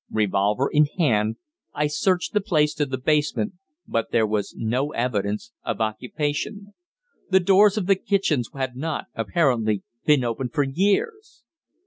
Revolver in hand, I searched the place to the basement, but there was no evidence of occupation. The doors of the kitchens had not, apparently, been opened for years!